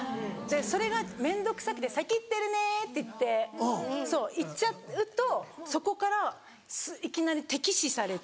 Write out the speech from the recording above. それが面倒くさくて先行ってるねって言って行っちゃうとそこからいきなり敵視されて。